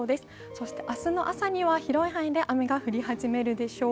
そして明日の朝には広い範囲で雨が降り始めるでしょう。